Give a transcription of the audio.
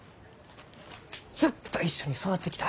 ずっと一緒に育ってきた。